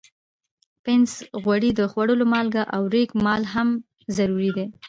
پنس، غوړي، د خوړلو مالګه او ریګ مال هم ضروري دي.